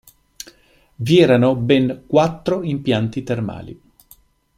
Vi erano ben quattro impianti termali.